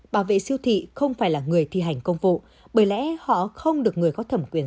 bảo vệ siêu thị không phải là người thi hành công vụ bởi lẽ họ không được người có thẩm quyền